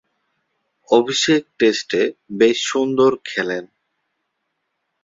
অভিষেক টেস্টে বেশ সুন্দর খেলেন।